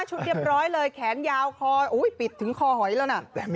เรียบร้อยเลยแขนยาวคอปิดถึงคอหอยแล้วนะ